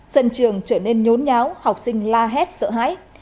sân trường trở nên nhốn nháo học sinh la hét sợ hãi